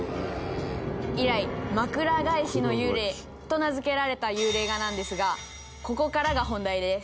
「以来“枕返しの幽霊”と名付けられた幽霊画なんですがここからが本題です」